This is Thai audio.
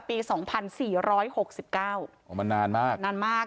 สองพันสี่ร้อยหกสิบเก้าอ๋อมันนานมากนานมาก